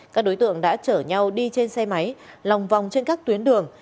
các đối tượng đã chở nhau đi trên xe máy lòng vòng trên các tuyến đường